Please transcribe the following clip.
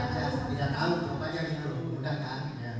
yaitu memposting dua kali